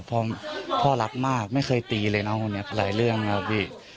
พ่อพ่อรักมากไม่เคยตีเลยนะวันนี้หลายเรื่องแล้วพี่